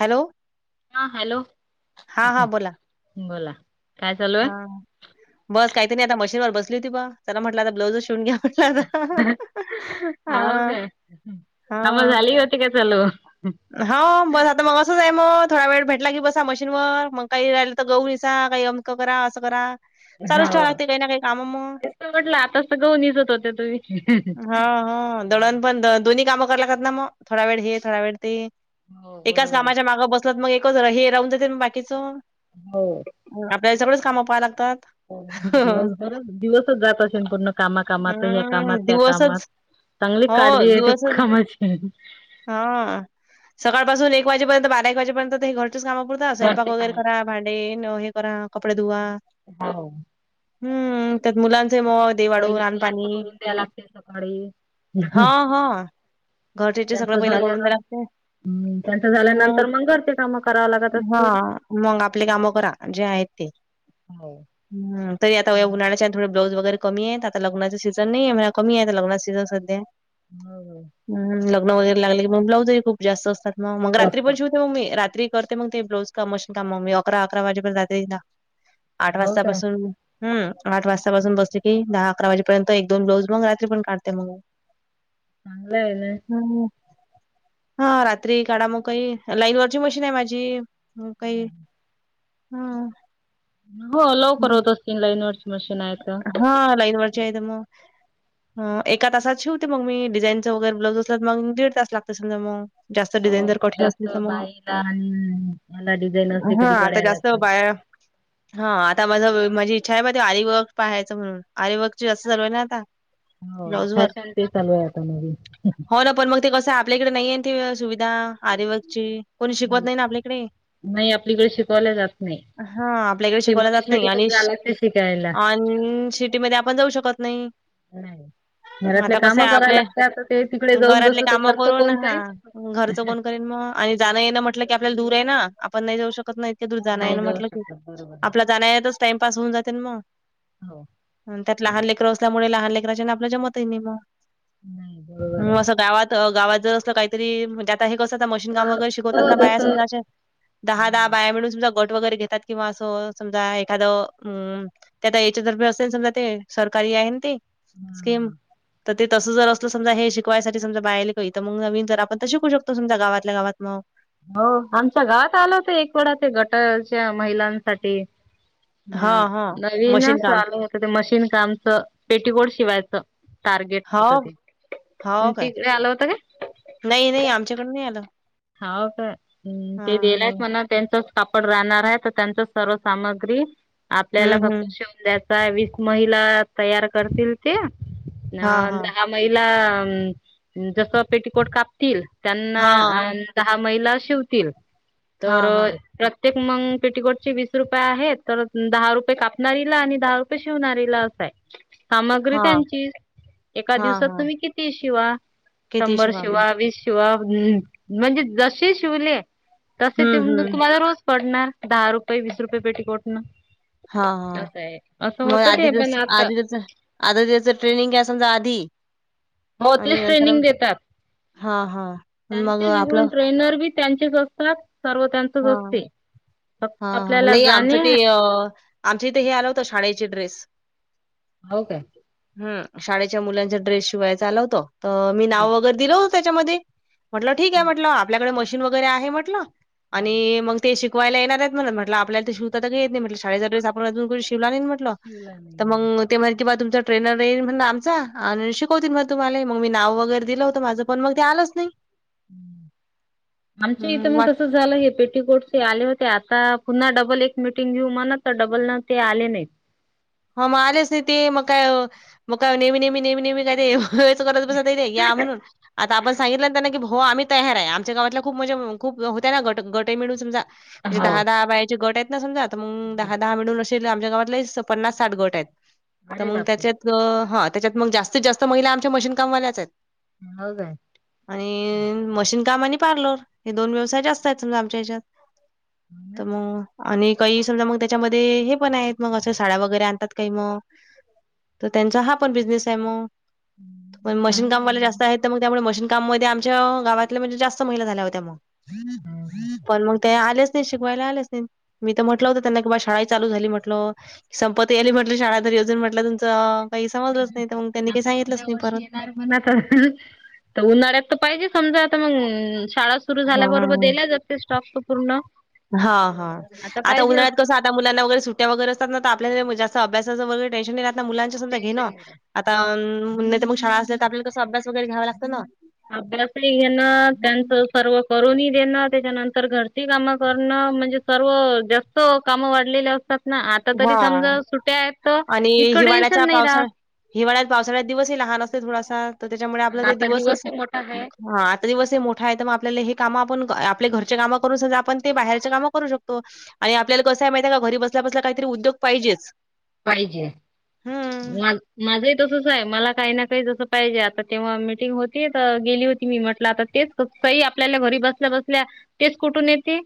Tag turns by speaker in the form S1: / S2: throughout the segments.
S1: Hello.
S2: हा hello,
S1: हां,
S2: बोला. काय चालू
S1: हा
S2: आहे
S1: बस काहीतरी आता मशीनवर बसली होती बा चला म्हटलं आता ब्लाउज शिवून घ्यावा.
S2: हो
S1: हा
S2: काय कामं
S1: हा.
S2: झाली होती काय झाल.
S1: हो बस आता मग असंच आहे मग थोडा वेळ भेटला की बसा मशीन वर मग काही राहिलं तर गहू निसा, काही करा असं करा. चालूच ठेवा लागते काही ना काही काम मग
S2: तेच तर म्हटलं आताच तर गहू निसत होत्या तुम्ही
S1: हा हा दळण पण दळत, दोन्ही काम करलात ना मग वेळ हे थोडा वेळ ते
S2: हो
S1: एकाच
S2: बरोबर
S1: कामाच्या
S2: आहे
S1: माग चल मग एकच हे राहू दे तेन बाकीचं
S2: हो.
S1: आपल्याला सगळंच काम पाहाया लागतात.
S2: दिवसभर दिवसच जात असेल पूर्ण कामा कामात ह्या
S1: हम्म
S2: कामात त्या कामात
S1: दिवसच
S2: चांगली
S1: हो
S2: काळजी ये त्या कामाची
S1: हा, सकाळपासून एक वाजेपर्यंत बारा एक वाजेपर्यंत हे घरचेच काम पुरतात, स्वयंपाक
S2: घरचे
S1: वगैरे
S2: काम
S1: करा. भांडे न हे करा, कपडे धुवा.
S2: हो.
S1: हम्म, त्यात मुलांचे मौ दे वाढून,
S2: पहिले
S1: आण
S2: मुलांच
S1: पाणी,
S2: करून द्या लागते सकाळी
S1: हा हा. तिचे सगळे
S2: त्यांचं
S1: पहिले करून द्याया
S2: झाल्यानंतर
S1: लागते.
S2: हम्म त्यांचं
S1: मग
S2: झाल्यानंतर घरचे कामं करावं लागत
S1: हा
S2: असतील
S1: मग आपले कामं करा जे आहेत ते
S2: हो
S1: हम्म तरी आता या उन्हाळ्याच्या थोडे ब्लाऊज वगैरे कमी येत, आता लग्नाचे सीझन नाही आहे म्हणा कमी आहे आता लग्नाचे सीझन संध्या
S2: हो
S1: हम्म, लग्न वगैेरे लागले की मग ब्लाऊजही खूप जास्त असतात ना मग रात्री
S2: जास्त
S1: पण शिवत तो मी रात्री करते मग ते ब्लाऊज काम मशिन काम मी अकरा अकरा वाजेपर्यंत रात्री जागते एकेकदा आठ
S2: हो
S1: वाजता
S2: काय
S1: पासून हम्म, आठ वाजतापासून बसली की दहा अकरा वाजेपर्यंत एक दोन ब्लाऊज मग रात्री पण काढते मग
S2: लय लय
S1: हम्म, हा रात्री काढा मग काही लाईन वरची मशीन आहे माझी हो काही हा.
S2: हो लवकर
S1: मग
S2: होत असतील लाईनवरची मशीन आहे तर
S1: हा, लाईनवरची आहे तर मग हा, एका तासात शिवते मग मी डीझाईनच वगैरे ब्लाऊज असला मग दिड तास लागते समजा मग जास्त डिझाईन
S2: हो
S1: जर कठीण असली
S2: जास्त
S1: तर मग
S2: बाहीला याला डिझाईन असते
S1: हा
S2: कधी
S1: आता
S2: गळ्याला
S1: जास्त
S2: तर [inaudible]
S1: बाया हा, आता माझं माझी इच्छा आहे म ते आरीवर्क पाहायचं म्हणून आरीवर्क ची जास्त चालू ये ना आता
S2: हो.
S1: ब्लाऊज वर,
S2: फॅशन ते चालू आहे आता नवीन.
S1: हो ना पण मग ते कसंय आपल्याकडे नाही आहे ते सुविधा आरीवर्कची कोणी शिकवत नाही ना आपल्याकडे
S2: नाही आपलीइकड शिकवल्या जात नाही,
S1: हां आपल्याकडे
S2: ते
S1: शिकवला
S2: मोठ्या
S1: जात नाही
S2: सिटीतचं
S1: आणि
S2: जाया
S1: श
S2: लागते शिकायला
S1: आणि सिटीमध्ये आपण जाऊ शकत नाही.
S2: नाही. घरातले
S1: आता
S2: काम
S1: कसं आहे
S2: करायला
S1: आपल्या
S2: लागतात ते तिकडे जाऊन
S1: घरातले
S2: बसू ते
S1: कामं
S2: घरचं
S1: करून
S2: कोण पाहील.
S1: हां घरचं कोण करेन मग आणि जाणं येणं म्हटलं की आपल्याला दूर आहे ना आपण नाही जाऊ शकत नाही इतके दूर जाणं ये
S2: नाही
S1: नां
S2: जाऊ
S1: म्हटलं की
S2: शकत बरोबर.
S1: आपल्या जाण्या येण्यातचं टाइमपास होऊन जाते ना मग.
S2: हो.
S1: त्यात लहान लेकरं असल्यामुळे लहान लेकराच्या आपला जमत ही नाही बा.
S2: नाही बरोबर
S1: म
S2: आहे.
S1: असं गावात गावात जर असं काही तरी म्हणजे आता हे कसं आता मशीन
S2: अ
S1: काम वगैरे
S2: अ
S1: शिकवतात ना बाया
S2: जसं
S1: समजा अशा दहा दहा
S2: हा.
S1: बाया मिळून समजा गट वगैरे घेतात किंवा असं समजा एखादं हम्म ते आता याच्यातर्फे असेल समजा ते सरकारी आहे ते स्कीम
S2: हा
S1: तर ते तसं जर असलं समजा हे शिकवायसाठी समजा बायालं [unintelligible] म्हणून हवी तर आपण तसं शिकू शकतो समजा गावातल्या गावात मग.
S2: हो आमच्या गावात आलं होतं एक वेडा ते गटाच्या महिलांसाठी हा नवीनचं आलं होतं ते मशीन कामचं पेटीकोड शिवायचं. टार्गेट
S1: हो
S2: होतं ते,
S1: हो
S2: तुमच्या
S1: काय
S2: इकडे आलं होतं काय?
S1: नाही नाही आमच्याकडं नाही आलं.
S2: हाव काय
S1: हा
S2: ते
S1: नाही
S2: देनायत मना त्यांच कापड राहणार आहे तर त्यांच सर्व सामग्री आपल्याला
S1: हम्म
S2: फक्त
S1: हम्म
S2: शिवून द्यायचं वीस महिला तयार करतील ते
S1: हा
S2: अन्
S1: हा
S2: दहा महीला जस पेटकोट कापतील त्यांना
S1: हा
S2: दहा महिला शिवतील
S1: हा
S2: तर,
S1: हा
S2: प्रत्येक मंग पेटीकोट चे वीस रुपये आहेत तर दहा रुपये कापणारीला आणि दहा रुपये शिवणारीला अस हाय सामग्री
S1: हा
S2: त्यांचीच. एका
S1: हा
S2: दिवसात
S1: हा
S2: तुम्ही कितीही शिवा
S1: किती
S2: शंभर
S1: मग
S2: शिवा वीस शि शिवा म्हणजे जसे शिवले तसे ते
S1: हम्म हम्म
S2: तुम्हाला रोज पडणार. दहा रुपये वीस रुपये पेटीकोटन.
S1: हाा मग
S2: होतं
S1: आधी
S2: ते पण
S1: दिस
S2: आता
S1: आधी दिस दिवच ट्रेनिंग आहे समजा आधी,
S2: हो
S1: आणि
S2: तेच
S1: नंतर
S2: ट्रेनिंग देतात
S1: हां, हां. मग
S2: त्यांच जवून
S1: आपलं
S2: ट्रेनर बी- त्यांचेच असतात सर्व त्यानं
S1: हा हा हा नाही आमचं
S2: जाणे
S1: ते अ, आमच्या इथे हे आलं होतं शाळेचे ड्रेस.
S2: हो काय?
S1: हम शाळेच्या मुलांचा ड्रेस शिवायच आल होत तर मी
S2: हं,
S1: नाव वगैरे, दिलं हो त्याच्यामध्ये म्हटलं ठीक आहे
S2: हं.
S1: म्हटलं आपल्याकडे मशीन वगैरे आहे म्हटलं आणि मग ते शिकवायला येणार आहेत म्हण म्हटलं आणि मग ते शिकवायला यायलागल्यात म्हण आपल्याला ते शिवतातर येत नाही म्हटलं शाळेचा वेळेस आपण अजून कोणी शिवला नाही म्हट ल
S2: शिवला
S1: तर
S2: नाही. हो.
S1: मग, मग ते किंवा तुमचा ट्रेनर येईल म्हण आमचा आणि शिकवतील मग तुम्हाला मग मी नाव वगैरे दिलं होतं माझं पण मग ते आलंच नाही.
S2: आमच्या इथं
S1: हं.
S2: मग तस, झालं हे पेटीकोट चे आले होते आता पुन्हा डबल एक मिटिंग घेऊ म्हणात तर डबल न ते आले नाही.
S1: ह मग आलेच नाही ते मग काय मग का नेहमी नेहमी नेहमी नेहमी कधे- च करत बसत या म्हणून आता आपण सांगितलं त्यांना की हो आम्ही, तयार आहे आमच्या गावातल्या खूप म्हणजे खूप होत ना गट गट मिळून समजा म्हणजे
S2: हो.
S1: दहा दहा बायाचे गट आहेत समजा मग दहा दहा मिळून असे आमच्या गावातले पन्नास साठ गट आहेत तर मग त्यांच्यात, ग हा त्याच्यात मग जास्तीत जास्त महिला आमच्या मशीन कामवाल्याच आहेत.
S2: ह काय?
S1: आणि मशीन काम आणि पार्लर हे दोन व्यवसाय जास्त आहेत समजा आमच्या हेच्यात. तर मंग आणि काही समजा मग त्याच्यामध्ये हे पण आहेत मग असंच साड्या वगैरे आणतात काही मग तर त्यांचा हा पण बिझनेस आहे म. पण मशीन
S2: चांगलं आहे.
S1: कामवाले जास्त आहेत मग त्यामुळे मशीन काममध्ये आमच्या गावातल्या म्हणजे जास्त महिला झाल्या होत्या म पण मग ते आलेच नाही शिकवायला आलेच नाही मी तर म्हटलं होतं त्यांना की बाय शाळा ही चालू झाली म्हटलं संपत्ती आली म्हटलं शाळा घरी अजून म्हटलं तुमचा काही समजलंच नाही तर मंग त्यांनी काही सांगितलंच नाही परत.
S2: [unintelligible] आता उन्हाळ्यात तर पाहिजे समजा आता मंग शाळा सुरू झाल्याबरोबर दिला जात ते स्टॉक पूर्ण?
S1: हा हा आता
S2: पाहिजे
S1: उन्हाळ्यात
S2: असं
S1: कसं आ आता मुलांना वगैर सुट्टया वगैरे असतात ना तर आपल्या जास्त अभ्यासाचा वगैरे टेशन नाही राहत ना मुलांचा समज घेणं आता अम्म नाही तर मंग शाळा असले तर आपल्याला तसं अभ्यास वगैरे घ्यावा लागतं ना.
S2: अभ्यासही घेणं त्यांचं सर्व करूनही देणं त्याच्यानंतर घरची कामं करणं म्हणजे सर्व जास्त कामं वाढलेली असतात ना आता तरी
S1: हा
S2: समजा सुट्टया आहेत तर
S1: आणि
S2: इतकं
S1: हिवाळ्याच्या
S2: टेन्शन नाही राहत.
S1: पावसाळ्या हिवाळ्यात, पावसाळ्यात दिवसही लहान असते थोडासा तर त्याच्यामुळे
S2: आणि
S1: आपला ते
S2: आता
S1: दिवसच
S2: दिवस मोठा आहे.
S1: हा आता दिवस हे मोठा आहे तर मग आपल्याला हे कामं आपण आपले घरचे कामं करून समजा आपण ते बाहेरच्या काम करू शकतो. आणि आपल्याला कसं आहे माहिती आहे का घरी बसल्या बसला काहीतरी उद्योग पाहिजेच.
S2: पाहिजे
S1: हम्म.
S2: मग माझंही तसंच आहे मला काही ना काही जसं पाहिजे आता तेव्हा मीटिंग होती तर गेली होती मी म्हटलं आता तेच काही आपल्याला घरी बसल्या बसल्या तेच कुठून येते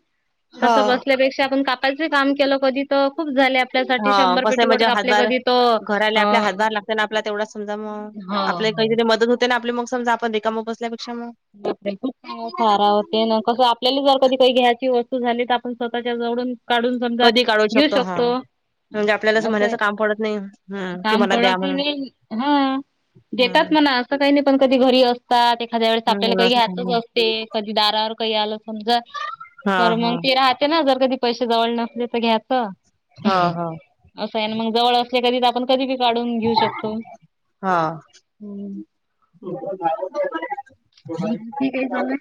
S2: तसं
S1: हा.
S2: बसल्यापेक्षा आपण कापायचे काम केलं, कधी तर खूप झाले आपल्यासाठी
S1: हा
S2: शंभर
S1: कसं
S2: पेट
S1: म्हणजे हजार घराले आपल्या हजार लागते ना आपलं तेवढा समजा मग
S2: हो
S1: आपल्या
S2: हो.
S1: काहीतरी मदत हो तेन आपली मग समजा आपण रिकामा बसल्या पेक्षा मग
S2: [unintelligible] ते ना कसं आपल्याला जर कधी काही घ्यायची वस्तू झाली तर आपण स्वतःच्या जवळून काढून समजा
S1: कधी काढू
S2: घेऊ
S1: हा
S2: शकतो.
S1: म्हणजे आपल्याला
S2: असं आहे,
S1: म्हणायचं काम पडत नाही हम्म कि
S2: काम
S1: मला द्या
S2: पडत ही
S1: म्हणून
S2: नाही हा. देतात
S1: हम्म
S2: म्हणा असं काही नाही पण कधी घरी असतात एखाद्या वेळेस आपल्याला काही
S1: हम्म.
S2: घ्यातच अस ते कधी दारावर काही आलं समजा
S1: हा
S2: तर
S1: हा
S2: मंग ते राहते ना जर कधी पैशे जवळ नसले तर घ्याचा
S1: हा हा
S2: असं आहे ना मग जवळ असले कधीतर आपण कधी बी काढून घेऊ शकतो
S1: हा
S2: हम्म.
S1: [unintelligible]
S2: ते काही झालं.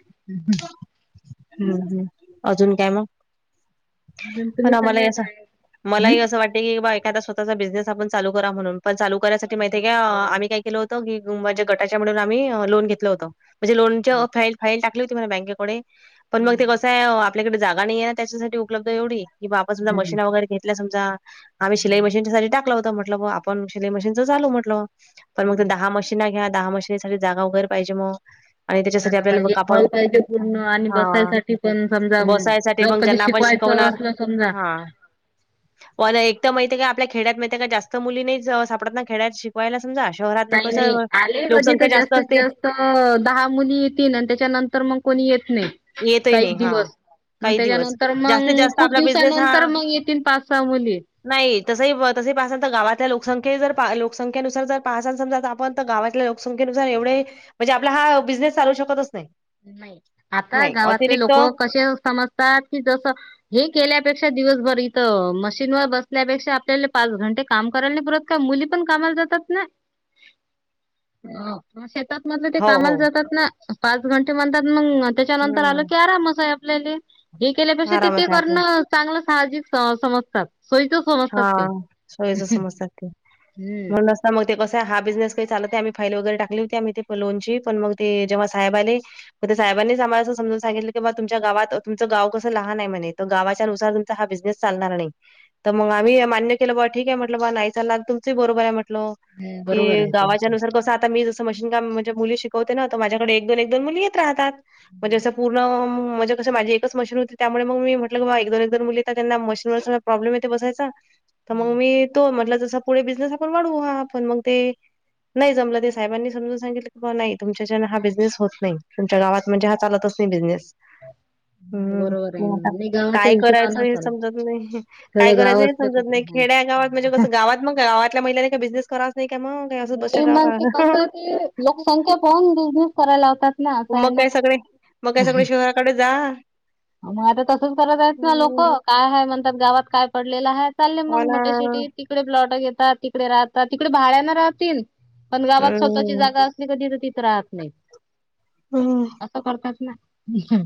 S1: हम्म हम्म अजून काय मग?
S2: तुम्ही
S1: पण मलाही
S2: सांगा
S1: असं
S2: काय
S1: मलाही असं वाटते की, बायकने स्व स्वतःचा बिझनेस आपण चालू करा म्हणून पण चालु करायसाठी माहितीय का आम्ही काय केलं होतो की अ माझे गटाच्या मिळून आम्ही अ लोन घेतलं होतं. म्हणजे, लोनच्या फाईल फाईल टाकली होती मने बँकेकडे पण मग ते
S2: हम्म.
S1: कसं आहे अ आ पल्याकडे जागा नाही आहे ना त्याच्यासाठी उपलब्ध एवढी क, बाबा समजा मशीना वगैरे घेतल्या समजा आम्ही शिलाई मशीनच्यासाठी टाकलं होतं म्हटलं ब आपण शिलाई मशीनंचा झालो म्हटलं, पण मग ते दहा मशी ना घ्या, दहा मशीनासाठी जागा वगैरे पाहिजे मग आणि त्याच्यासाठी
S2: जागा
S1: आपल्याला बघ
S2: पाहिजे
S1: कापड
S2: हॉल पाहिजे पूर्ण आणि
S1: हा
S2: बसायसाठी पण समजा
S1: बसायसाठी
S2: जर
S1: मग
S2: कधी
S1: ज्यांना आपण शिक
S2: शिकवायचं
S1: होणार
S2: असलं समजा
S1: हा. [unintelligible] एकट्या माहितय का आपल्या खेड्यात माहितय का जास्त मुलीनी ज सापडत ना खेळायत, शिकवायला समजा शहरात
S2: नाही, नाही,
S1: कसं
S2: आले कधी तर
S1: लोकसंख्या
S2: जास्तीत
S1: असते
S2: जास्त तर दहा मुली येतील, आणि त्याच्यानंतर मग कोणी येत नाही.
S1: येत ही
S2: काही
S1: नाही. हा
S2: दिवस मग
S1: काही
S2: त्याच्या
S1: दिवस
S2: नंतर मग,
S1: जास्तीत जास्त
S2: खूप
S1: आपला बिझनेस हा
S2: दिवसानंतर मग पाच, सहा, मुली
S1: नाही, तस तस पाहासाल, तर गावातल्या लोकसंख्य ज लोकसंखेनुसार जर पाहासाल. समजा, आपण तर गावातल्या कोल संख्येनुसार एवढे, म्हणजे आपला हा बिझनेस चालू शकतच नाही.
S2: नाही, आता
S1: नाही
S2: गावातले
S1: अतिरिक्त
S2: लोक कसे समजतात. की जस हे केल्यापेक्षा, दिवसभर इथं मशीनवर बसल्यापेक्षा, आपल्याला पाच घंटे काम करायला नाही. परत का, मुली पण कामाला जातात ना. मग, शेतात म्हधलं ते
S1: हो हो
S2: कामाला जातात ना. पाच घंटे म्हणतात. मग त्याच्यानंतर आलो
S1: हम्म
S2: की, आरामस आहे. आपल्याला हे केल्यापक्ष. ते ते
S1: आरामात
S2: करण
S1: राहतात.
S2: ना चांगलं साहजिक सम समजतात. चल ठेऊ.
S1: हा, [inaudible] सच समजत.
S2: हम्म
S1: म्हला हा मग ते कसं, हा बिझनेस काई चालत नाही. आम्ही फाईल वगैरे टाकली होती. आम्ही ते बेलून ची पण मग ते जेव्हा साहेब आले मग, ते साहेबांनीच आमला असं समजून सांगितलं की, बा तुमच्या गावत तुमचं गाव कसं लहान आहे म्हणे, गावाच्या नुसार हा, बिझनेस चालणार नाही. तर, मग आम्ही मान्य केलं बा, ठीक आहे. म्हटलं बा, नाही चाललानार, तुमचही बरोबर आहे. म्हटलं.
S2: बरोबर
S1: की,
S2: आहे ते
S1: गावाच्या नुसार कसं आता मी मशीन काम, म्हणजे मुली शिकवते ना, तर माझ्या कड ऐक दोन, ऐक दोन मुली येत राहतात. कसं म्हणजे, कसं माझी एकच मशीन होती. त्यामुळे मग मी म्हटलं, बा एक, दो, एक जण मुली यता. त्यांना मशीन वर बसाय प्रॉब्लेम ते बसायचा, तर मग मी तो जस बिझनेस आपण वाढवू. हा पण मग ते नाही जमलं, ते साहेबांनी समजून सांगितलं, की बा नाही तुमच्यानना हा बिझनेस होत नाही. तुमच्या गावात म्हणजे, हा चालतच नाही बिझनेस. हम्म,
S2: बरोबर आहे
S1: ओउन
S2: ना
S1: टाक,
S2: नाही गावाच्या
S1: काय करायचं
S2: हिशोबान
S1: हे
S2: चाल
S1: समजत नाही. काय
S2: थोडं
S1: करायचं
S2: गाव
S1: हे
S2: असलं
S1: समजत
S2: तर
S1: नाही. खेड्या गावात म्हणजे कसं गावात मग गावातल्या महिला काही बिझनेस करा नाही का म, काय असं बस गाव
S2: मग ते कसं ते लोकसंख्या पाहून बिझनेस करायला लावतात. ना असं आहे
S1: मग
S2: ना
S1: काय सगळे, मग काय सगळे शहराकडे जा.
S2: मग आता तसंच करत आहेतच ना, लोक
S1: हम्म.
S2: काय आहे म्हणतात, गावात काय पडलेलं आहेत. चाललेय
S1: हो
S2: मग
S1: ना.
S2: मोठ्या शिटीत. तिकडे प्लॉट घेतात, तिकडे राहतात, तिकडे भाड्या ना राहतील. पण गावात स्वतःची
S1: हम्म.
S2: जागा असली कधी तर तिथं राहत नाही.
S1: हम्म.
S2: असं करतात ना, हम्म.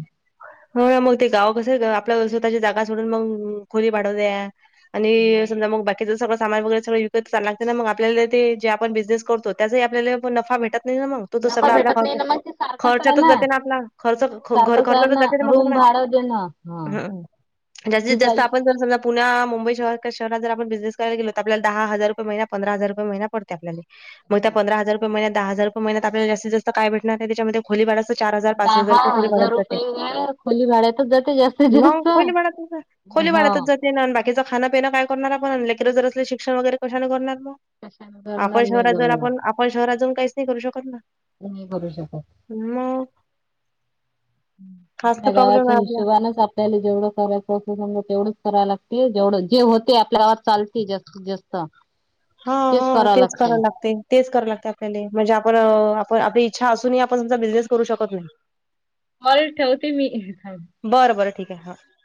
S1: हो, मग ते गाव कसं आहे. आपल्या स्वतःच्या जागा सोडून मग खोली भाड्याला द्या आणि
S2: हम्म.
S1: समजा मग बाकीचं सगळं सामान वगैरे सगळ ल लागत ना मग आपल्याला जे आपण बिझनेस करतो त्याचाही आपल्याला नफा भेटत ना मग. त त
S2: नफा
S1: सगळं आप
S2: भेटत नाही ना मग ते सारखंच आहे
S1: खर्चातच जाते ना आपला, खर्च-खर्च.
S2: सारखंच आहे
S1: खर्चातच
S2: ना
S1: जाते न मग
S2: रूम
S1: सगळं,
S2: भाडं देणं हा
S1: जास्तीत
S2: तिथं
S1: जास्त
S2: इ-
S1: आपण जर समज पुणे, मुंबई सारख्या शहरात जरं आपण बिझनेसकरायला गलो, तर आपल्या दहा हजार रुपे महिना, पंधरा हजार रुये महिना, पडते आपल्याला. मग त्या पंध हजार रुपय महिन्यात, दहा हजार रुये महियातल्या, जास्तस्त काय भेटणार आहे त्याच्यामध्ये खोली भाडाचं चार हजारच, पाच हजार
S2: दहा
S1: रुपये खोली भाड जाते.
S2: [unintelligible] खोली भाड्यातच जाते जास्त जास्त हा.
S1: बाकीच खांन, पिन काय करणार आपण, अन लेकर जर असले शिक्षण वगैरे कशाने करणार मग.
S2: कशाने करणार
S1: आपण
S2: नाही
S1: शहरातजऊ
S2: जमणार
S1: आपण, आपण शहरातजऊन काहीच नाही करू शकत ना.
S2: तिथ नाही करू शकत.
S1: मग हाच
S2: आपल्या
S1: तर प्रॉब्लेम
S2: गावाच्या
S1: आहे आपला
S2: हिशोबानच आप आपल्याला जेवढं करायचं असत तेवढंच करावं लागते, जवढं जे होते आपल्यावर चालते जास्ती जास्त ता
S1: हा, ह तेच करावं लागते तेच करां लागते आपल्याले, म्हणजे आपण आपण आपली इच्छा असूनही आपण तसा बिझनेस करू शकत नाही
S2: वल ठेवते मी
S1: बरं बरं ठीक हाय, हां